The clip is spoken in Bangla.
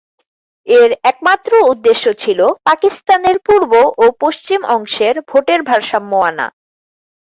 এর একমাত্র উদ্দেশ্য ছিল পাকিস্তানের পূর্ব ও পশ্চিম অংশের ভোটের ভারসাম্য আনা।